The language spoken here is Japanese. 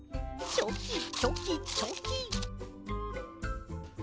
チョキチョキチョキ。